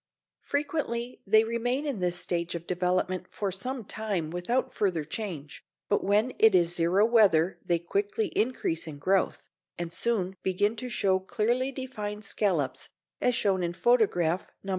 Frequently they remain in this stage of development for some time without further change, but when it is zero weather they quickly increase in growth, and soon begin to show clearly defined scallops as shown in photograph No.